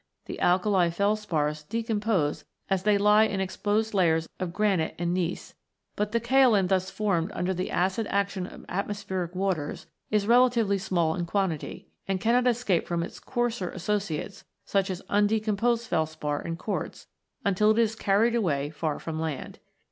The alkali felspars iv] CLAYS, SHALES, AND SLATES 87 decompose as they lie in exposed layers of granite and gneiss, but the kaolin thus formed under the acid action of atmospheric waters is relatively small in quantity, and cannot escape from its coarser as sociates, such as undecomposed felspar and quartz, until it is carried away far from land.